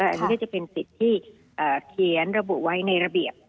อันนี้ก็จะเป็นสิทธิ์ที่เขียนระบุไว้ในระเบียบ